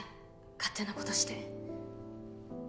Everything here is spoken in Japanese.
勝手なことして。